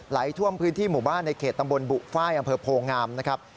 ท่วมพื้นที่หมู่บ้านในเขตตำบลบุฟ้ายอำเภอโพงามนะครับ